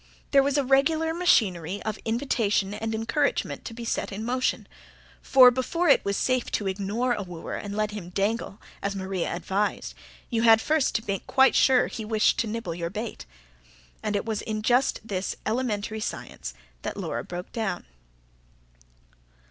There was a regular machinery of invitation and encouragement to be set in motion: for, before it was safe to ignore a wooer and let him dangle, as Maria advised, you had first to make quite sure he wished to nibble your bait. And it was just in this elementary science that Laura broke down.